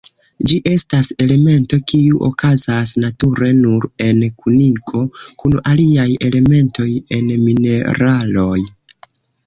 Ĝi estas elemento kiu okazas nature nur en kunigo kun aliaj elementoj en mineraloj.